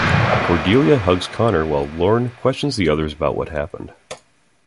Cordelia hugs Connor while Lorne questions the others about what happened.